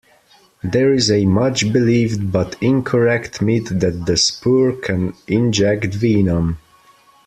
There is a much-believed but incorrect myth that the spur can inject venom.